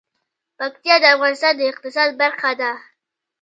پکتیا د افغانستان د اقتصاد برخه ده.